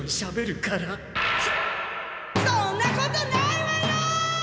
そっそんなことないわよ！